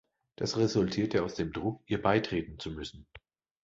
Das resultierte aus dem Druck, ihr beitreten zu müssen.